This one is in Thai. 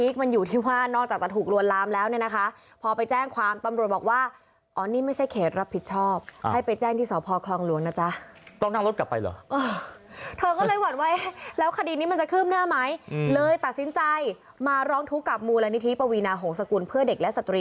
สรรพากรด้วยนะอันนี้เขาเนี่ยใช้นามสมมุตินะคะ